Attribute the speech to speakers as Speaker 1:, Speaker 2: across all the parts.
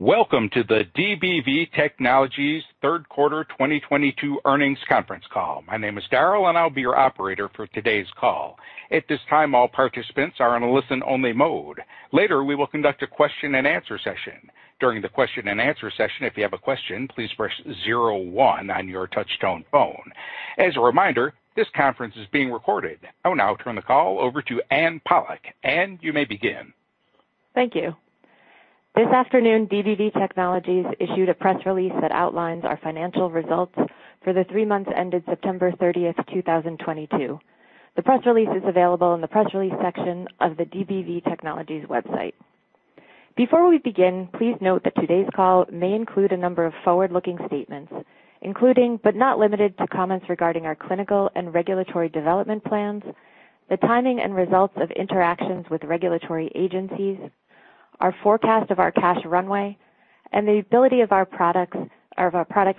Speaker 1: Welcome to the DBV Technologies third quarter 2022 earnings conference call. My name is Daryl and I'll be your operator for today's call. At this time, all participants are in a listen-only mode. Later, we will conduct a question-and-answer session. During the question-and-answer session, if you have a question, please press zero one on your touchtone phone. As a reminder, this conference is being recorded. I will now turn the call over to Anne Pollak. Anne, you may begin.
Speaker 2: Thank you. This afternoon, DBV Technologies issued a press release that outlines our financial results for the three months ended September 30, 2022. The press release is available in the press release section of the DBV Technologies website. Before we begin, please note that today's call may include a number of forward-looking statements, including, but not limited to, comments regarding our clinical and regulatory development plans, the timing and results of interactions with regulatory agencies, our forecast of our cash runway, and the ability of our product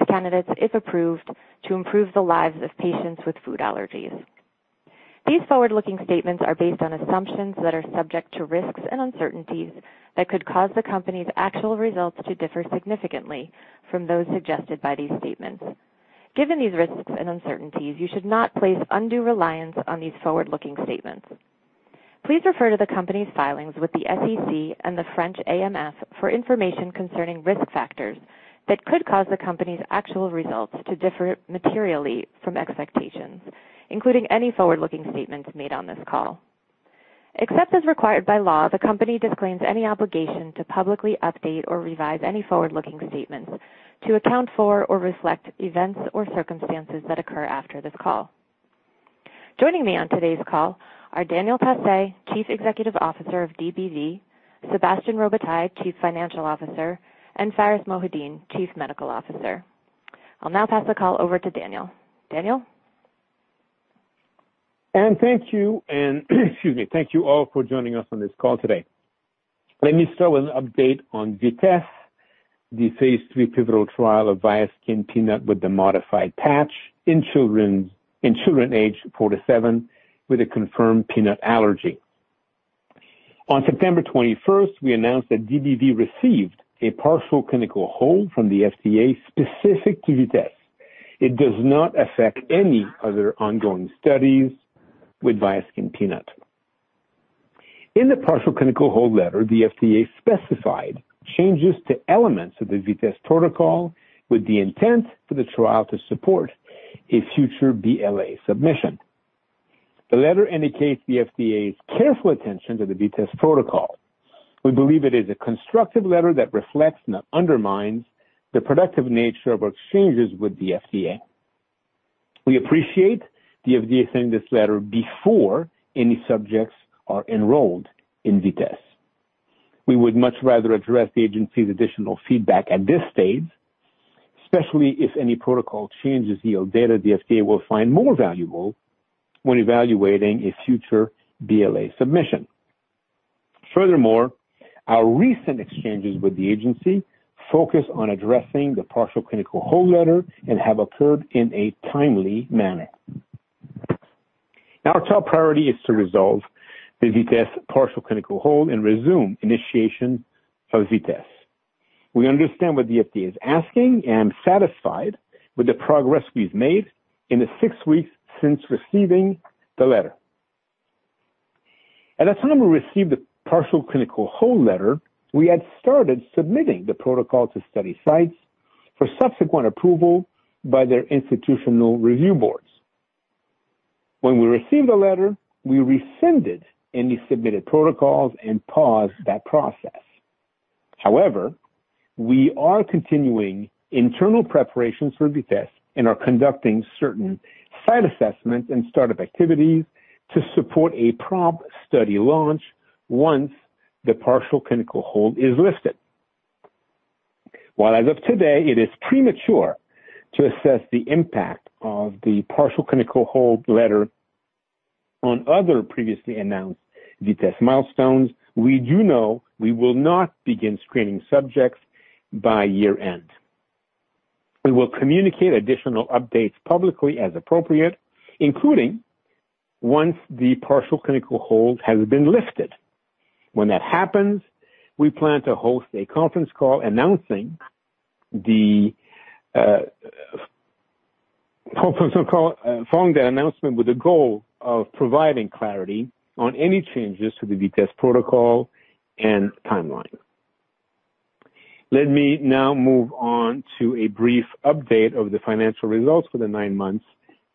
Speaker 2: candidates, if approved, to improve the lives of patients with food allergies. These forward-looking statements are based on assumptions that are subject to risks and uncertainties that could cause the company's actual results to differ significantly from those suggested by these statements. Given these risks and uncertainties, you should not place undue reliance on these forward-looking statements. Please refer to the company's filings with the SEC and the French AMF for information concerning risk factors that could cause the company's actual results to differ materially from expectations, including any forward-looking statements made on this call. Except as required by law, the company disclaims any obligation to publicly update or revise any forward-looking statements to account for or reflect events or circumstances that occur after this call. Joining me on today's call are Daniel Tassé, Chief Executive Officer of DBV, Sébastien Robitaille, Chief Financial Officer, and Pharis Mohideen, Chief Medical Officer. I'll now pass the call over to Daniel. Daniel.
Speaker 3: Anne, thank you. Excuse me. Thank you all for joining us on this call today. Let me start with an update on VITESSE, the phase 3 pivotal trial of Viaskin Peanut with the modified patch in children aged 4-7 with a confirmed peanut allergy. On September twenty-first, we announced that DBV received a partial clinical hold from the FDA specific to VITESSE. It does not affect any other ongoing studies with Viaskin Peanut. In the partial clinical hold letter, the FDA specified changes to elements of the VITESSE protocol with the intent for the trial to support a future BLA submission. The letter indicates the FDA's careful attention to the VITESSE protocol. We believe it is a constructive letter that reflects, not undermines, the productive nature of our exchanges with the FDA. We appreciate the FDA sending this letter before any subjects are enrolled in VITESSE. We would much rather address the agency's additional feedback at this stage, especially if any protocol changes yield data the FDA will find more valuable when evaluating a future BLA submission. Furthermore, our recent exchanges with the agency focus on addressing the partial clinical hold letter and have occurred in a timely manner. Our top priority is to resolve the VITESSE partial clinical hold and resume initiation of VITESSE. We understand what the FDA is asking and satisfied with the progress we've made in the six weeks since receiving the letter. At the time we received the partial clinical hold letter, we had started submitting the protocol to study sites for subsequent approval by their institutional review boards. When we received the letter, we rescinded any submitted protocols and paused that process. However, we are continuing internal preparations for VITESSE and are conducting certain site assessments and startup activities to support a prompt study launch once the partial clinical hold is lifted. While as of today it is premature to assess the impact of the partial clinical hold letter on other previously announced VITESSE milestones, we do know we will not begin screening subjects by year-end. We will communicate additional updates publicly as appropriate, including once the partial clinical hold has been lifted. When that happens, we plan to host a conference call announcing the protocol following the announcement with the goal of providing clarity on any changes to the VITESSE protocol and timeline. Let me now move on to a brief update of the financial results for the nine months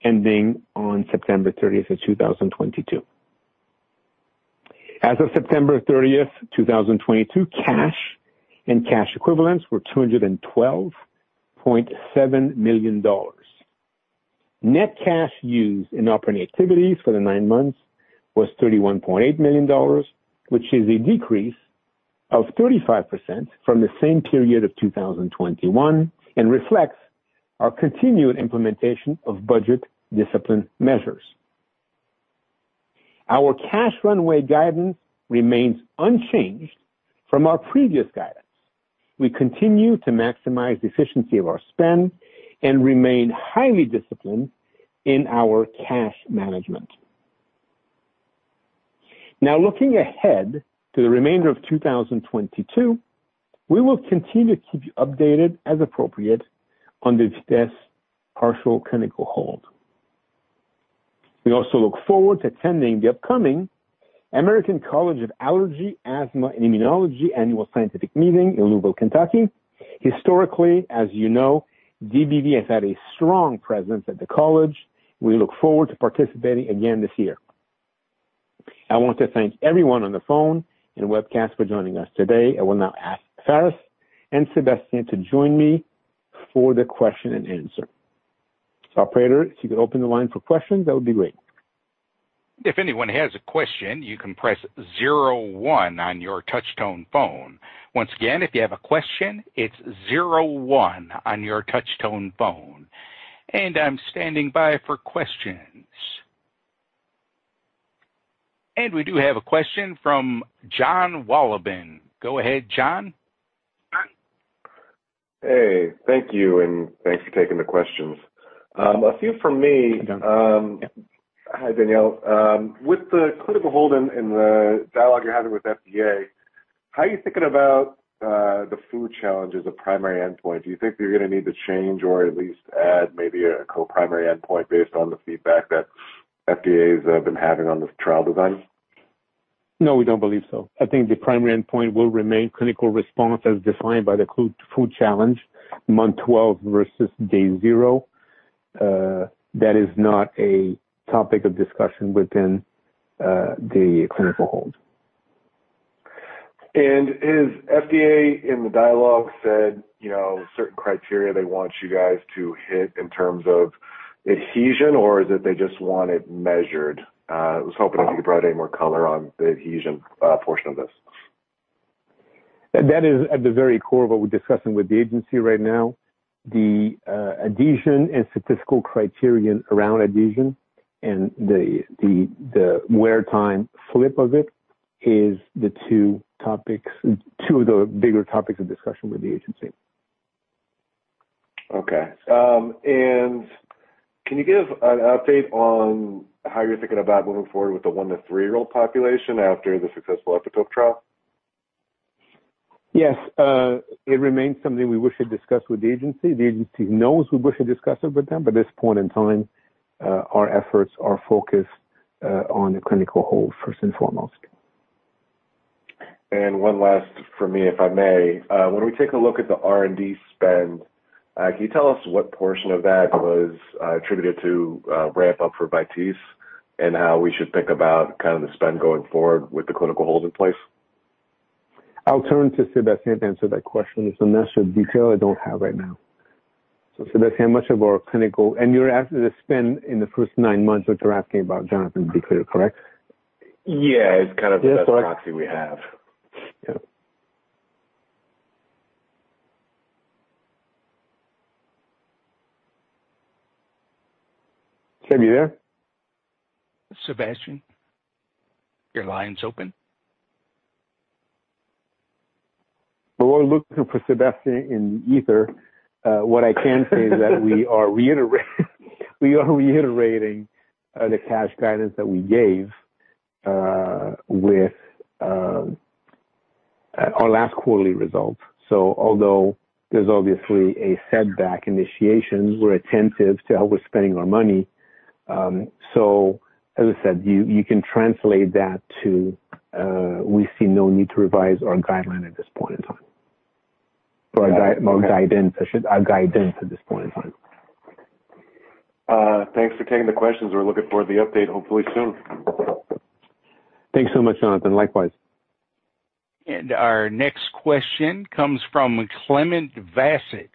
Speaker 3: ending on September thirtieth of two thousand and twenty-two. As of September 30, 2022, cash and cash equivalents were $212.7 million. Net cash used in operating activities for the 9 months was $31.8 million, which is a decrease of 35% from the same period of 2021 and reflects our continued implementation of budget discipline measures. Our cash runway guidance remains unchanged from our previous guidance. We continue to maximize the efficiency of our spend and remain highly disciplined in our cash management. Now looking ahead to the remainder of 2022, we will continue to keep you updated as appropriate on the VITESSE partial clinical hold. We also look forward to attending the upcoming American College of Allergy, Asthma and Immunology Annual Scientific Meeting in Louisville, Kentucky. Historically, as you know, DBV has had a strong presence at the college. We look forward to participating again this year. I want to thank everyone on the phone and webcast for joining us today. I will now ask Pharis and Sébastien to join me for the question and answer. Operator, if you could open the line for questions, that would be great.
Speaker 1: If anyone has a question, you can press zero one on your touch tone phone. Once again, if you have a question, it's zero one on your touch tone phone. I'm standing by for questions. We do have a question from Jon Wolleben. Go ahead, John.
Speaker 4: Hey, thank you, and thanks for taking the questions. A few from me. Hi, Daniel. With the clinical hold and the dialogue you're having with FDA, how are you thinking about the food challenge as a primary endpoint? Do you think you're gonna need to change or at least add maybe a co-primary endpoint based on the feedback that FDA has been having on this trial design?
Speaker 3: No, we don't believe so. I think the primary endpoint will remain clinical response as defined by the double-blind food challenge month 12 versus day 0. That is not a topic of discussion within the clinical hold.
Speaker 4: Has FDA in the dialogue said certain criteria they want you guys to hit in terms of adhesion or is it they just want it measured? I was hoping if you could provide any more color on the adhesion portion of this.
Speaker 3: That is at the very core of what we're discussing with the agency right now. The adhesion and statistical criterion around adhesion and the wear time flip of it is two of the bigger topics of discussion with the agency.
Speaker 4: Okay. Can you give an update on how you're thinking about moving forward with the 1-3-year-old population after the successful EPITOPE trial?
Speaker 3: Yes. It remains something we wish to discuss with the agency. The agency knows we wish to discuss it with them, but at this point in time, our efforts are focused on the clinical hold first and foremost.
Speaker 4: One last from me, if I may. When we take a look at the R&D spend, can you tell us what portion of that was attributed to ramp-up for VITESSE and how we should think about kind of the spend going forward with the clinical hold in place?
Speaker 3: I'll turn to Sebastian to answer that question. It's a measure of detail I don't have right now. Sebastian, how much of our clinical, and you're asking the spend in the first nine months, which you're asking about, Jonathan, to be clear, correct?
Speaker 4: Yeah. It's kind of the best proxy we have.
Speaker 3: Yeah.
Speaker 4: Seb, you there?
Speaker 1: Sebastian, your line is open.
Speaker 3: While we're looking for Sebastian in the ether, what I can say is that we are reiterating the cash guidance that we gave with our last quarterly results. Although there's obviously a setback initiation, we're attentive to how we're spending our money. As I said, you can translate that to we see no need to revise our guidance at this point in time.
Speaker 4: Yeah. Okay.
Speaker 3: Our guidance at this point in time.
Speaker 4: Thanks for taking the questions. We're looking for the update, hopefully soon.
Speaker 3: Thanks so much, Jonathan. Likewise.
Speaker 1: Our next question comes from Clément Bassat.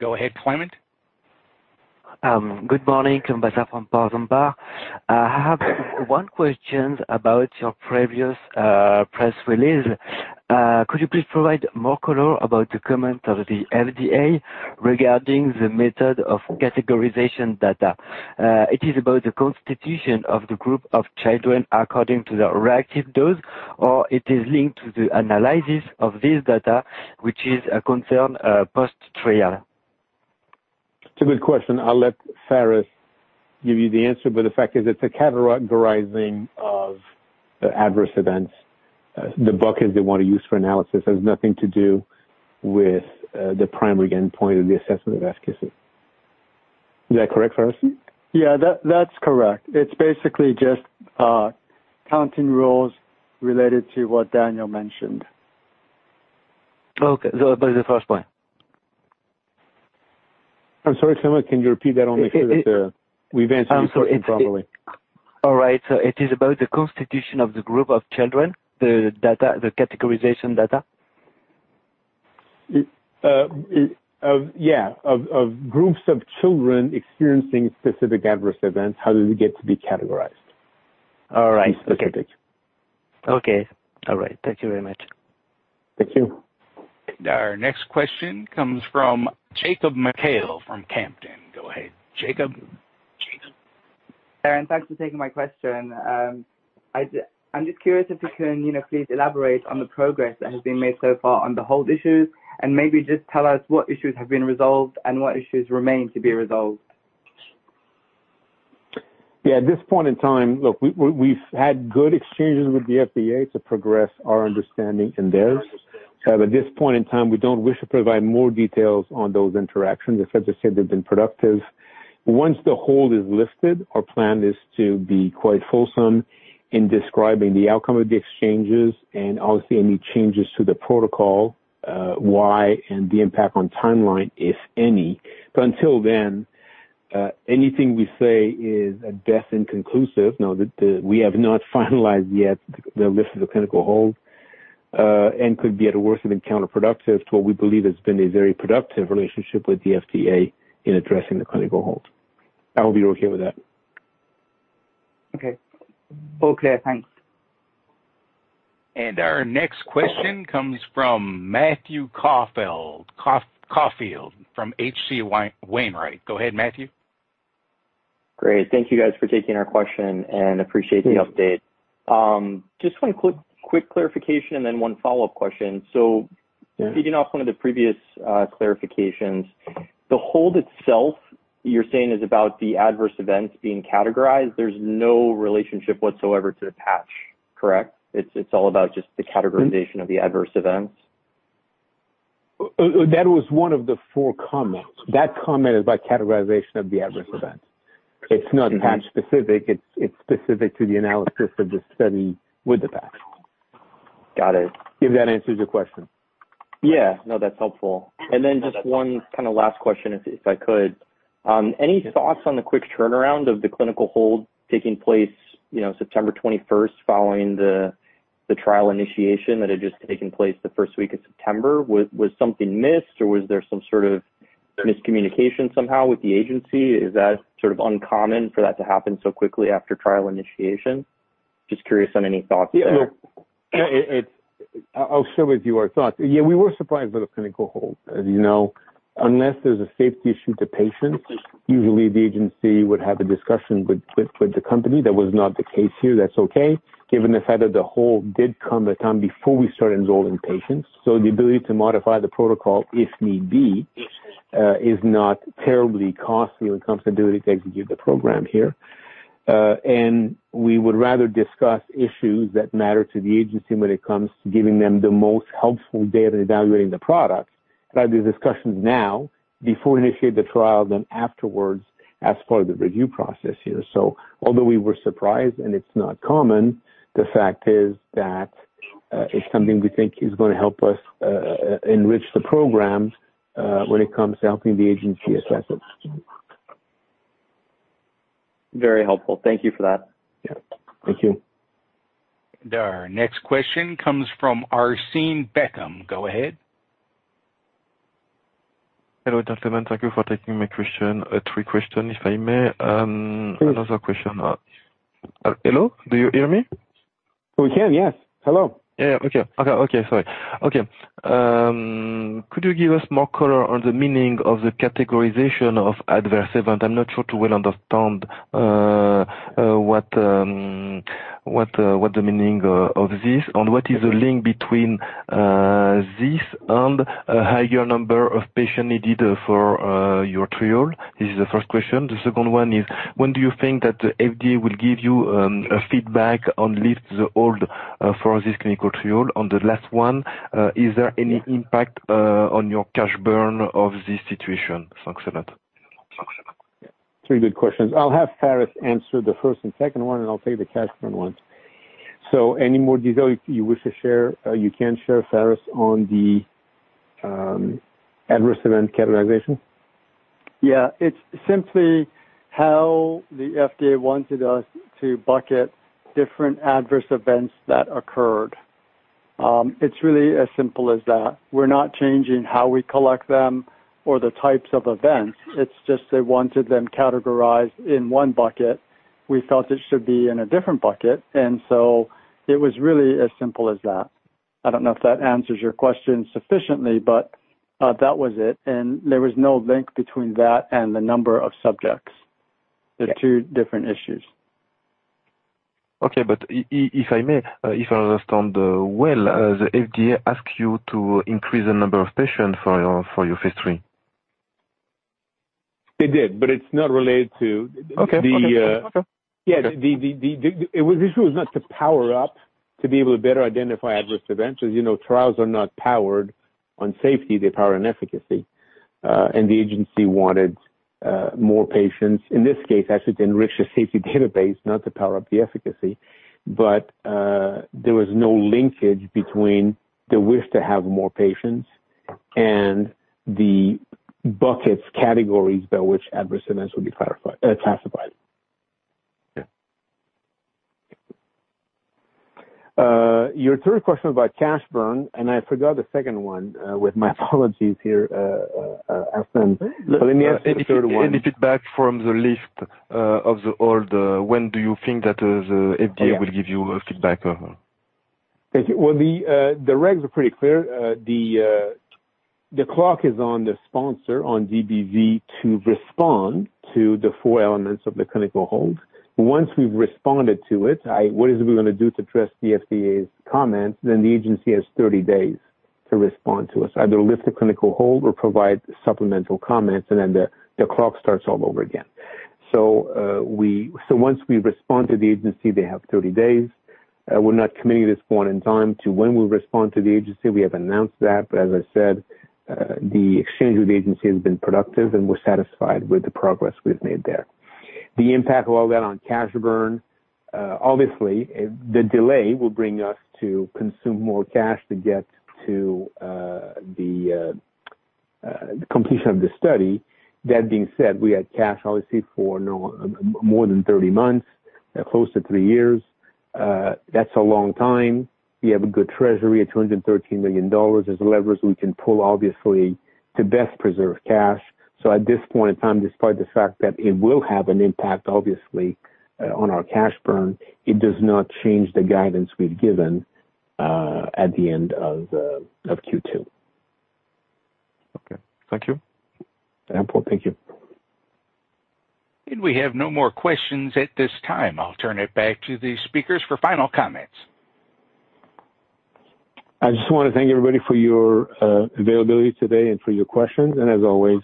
Speaker 1: Go ahead, Clément.
Speaker 5: Good morning. Clément Bassat from Portzamparc. I have one question about your previous press release. Could you please provide more color about the comment of the FDA regarding the method of categorization data? It is about the constitution of the group of children according to the reactive dose or it is linked to the analysis of this data which is a concern post-trial.
Speaker 3: It's a good question. I'll let Pharis give you the answer, but the fact is it's a categorizing of the adverse events. The buckets they wanna use for analysis has nothing to do with the primary endpoint of the assessment of VC. Is that correct, Pharis?
Speaker 6: Yeah, that's correct. It's basically just counting rules related to what Daniel mentioned.
Speaker 5: Okay. About the first point.
Speaker 3: I'm sorry, Clément. Can you repeat that only so that we've answered your question properly.
Speaker 5: I'm sorry. It is about the constitution of the group of children, the data, the categorization data.
Speaker 3: Of groups of children experiencing specific adverse events, how do we get to be categorized?
Speaker 5: All right.
Speaker 3: Specific.
Speaker 5: Okay. All right. Thank you very much.
Speaker 3: Thank you.
Speaker 1: Our next question comes from Jacob Mekhael Reinhart from Cantor Fitzgerald. Go ahead, Jacob. Jacob? Daniel Tassé, thanks for taking my question. I'm just curious if you can please elaborate on the progress that has been made so far on the hold issues and maybe just tell us what issues have been resolved and what issues remain to be resolved.
Speaker 3: Yeah, at this point in time, look, we've had good exchanges with the FDA to progress our understanding and theirs. At this point in time, we don't wish to provide more details on those interactions. As I just said, they've been productive. Once the hold is lifted, our plan is to be quite fulsome in describing the outcome of the exchanges and obviously any changes to the protocol, why and the impact on timeline, if any. Until then, anything we say is at best inconclusive. Now, we have not finalized yet the lift of the clinical hold, and could be at worst even counterproductive to what we believe has been a very productive relationship with the FDA in addressing the clinical hold. I hope you're okay with that.
Speaker 1: Okay. All clear. Thanks. Our next question comes from Matthew Coffield from H.C. Wainwright. Go ahead, Matthew.
Speaker 7: Great. Thank you guys for taking our question, and appreciate the update. Just one quick clarification and then one follow-up question.
Speaker 3: Yeah.
Speaker 7: Picking off one of the previous clarifications, the hold itself, you're saying, is about the adverse events being categorized. There's no relationship whatsoever to the patch, correct? It's all about just the categorization of the adverse events.
Speaker 3: That was one of the four comments. That comment is about categorization of the adverse events.
Speaker 7: Okay.
Speaker 3: It's not patch specific. It's specific to the analysis of the study with the patch.
Speaker 7: Got it.
Speaker 3: If that answers your question.
Speaker 7: Yeah. No, that's helpful. Just one kinda last question if I could. Any thoughts on the quick turnaround of the clinical hold taking place September 21 following the trial initiation that had just taken place the first week of September? Was something missed, or was there some sort of miscommunication somehow with the agency? Is that sort of uncommon for that to happen so quickly after trial initiation? Just curious on any thoughts there.
Speaker 3: Yeah. No, I'll share with you our thoughts. We were surprised by the clinical hold. As you know, unless there's a safety issue to patients, usually the agency would have a discussion with the company. That was not the case here. That's okay, given the fact that the hold did come at a time before we started enrolling patients. The ability to modify the protocol, if need be, is not terribly costly when it comes to the ability to execute the program here. We would rather discuss issues that matter to the agency when it comes to giving them the most helpful data in evaluating the product, have these discussions now before initiating the trial than afterwards as part of the review process here. Although we were surprised, and it's not common, the fact is that, it's something we think is gonna help us, enrich the programs, when it comes to helping the agency assess it.
Speaker 7: Very helpful. Thank you for that.
Speaker 3: Yeah. Thank you.
Speaker 1: Our next question comes from Arsène Bhekam. Go ahead.
Speaker 8: Hello, Dr. Daniel Tassé. Thank you for taking my question. three question, if I may.
Speaker 3: Please.
Speaker 8: Another question. Hello? Do you hear me?
Speaker 3: We can, yes. Hello.
Speaker 8: Could you give us more color on the meaning of the categorization of adverse event? I'm not sure to well understand what the meaning of this, on what is the link between this and a higher number of patient needed for your trial. This is the first question. The second one is, when do you think that the FDA will give you a feedback on lift the hold for this clinical trial? The last one is there any impact on your cash burn of this situation? Thanks a lot.
Speaker 3: Yeah. Three good questions. I'll have Pharis answer the first and second one, and I'll take the cash burn one. Any more detail you wish to share, you can share, Pharis, on the adverse event categorization?
Speaker 6: Yeah. It's simply how the FDA wanted us to bucket different adverse events that occurred. It's really as simple as that. We're not changing how we collect them or the types of events. It's just they wanted them categorized in one bucket. We felt it should be in a different bucket. It was really as simple as that. I don't know if that answers your question sufficiently, but, that was it. There was no link between that and the number of subjects.
Speaker 8: Yeah.
Speaker 6: They're two different issues.
Speaker 8: Okay. If I may, if I understand, well, the FDA ask you to increase the number of patients for your Phase 3?
Speaker 3: They did, but it's not related to.
Speaker 8: Okay.
Speaker 3: -the, uh-
Speaker 8: Okay.
Speaker 3: Yeah. This was not to power up to be able to better identify adverse events. As you know, trials are not powered on safety. They're powered on efficacy. And the agency wanted more patients, in this case, actually, to enrich the safety database, not to power up the efficacy. There was no linkage between the wish to have more patients and the buckets, categories by which adverse events would be classified.
Speaker 8: Yeah.
Speaker 3: Your third question about cash burn, and I forgot the second one, with my apologies here, Arsène. Let me answer the third one.
Speaker 8: Any feedback from the lift of the hold? When do you think that the FDA will give you a feedback?
Speaker 3: Thank you. Well, the regs are pretty clear. The clock is on the sponsor, on DBV, to respond to the four elements of the clinical hold. Once we've responded to it, what is it we're gonna do to address the FDA's comments, then the agency has 30 days to respond to us, either lift the clinical hold or provide supplemental comments, and then the clock starts all over again. Once we respond to the agency, they have 30 days. We're not committing at this point in time to when we'll respond to the agency. We have announced that. As I said, the exchange with the agency has been productive, and we're satisfied with the progress we've made there. The impact of all that on cash burn, obviously, the delay will bring us to consume more cash to get to the completion of this study. That being said, we had cash obviously for more than 30 months, close to 3 years. That's a long time. We have a good treasury at $213 million. There's levers we can pull obviously to best preserve cash. At this point in time, despite the fact that it will have an impact obviously on our cash burn, it does not change the guidance we've given at the end of Q2.
Speaker 8: Okay. Thank you.
Speaker 3: Paul, thank you.
Speaker 1: We have no more questions at this time. I'll turn it back to the speakers for final comments.
Speaker 3: I just wanna thank everybody for your availability today and for your questions. As always,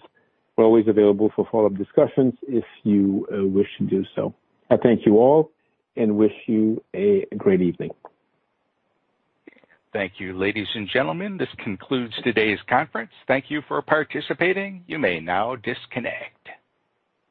Speaker 3: we're always available for follow-up discussions if you wish to do so. I thank you all and wish you a great evening.
Speaker 1: Thank you, ladies and gentlemen. This concludes today's conference. Thank you for participating. You may now disconnect.